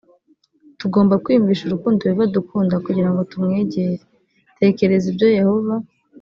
tugomba kwiyumvisha urukundo yehova adukunda kugira ngo tumwegere tekereza ibyo yehova